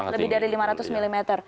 lebih dari lima ratus mm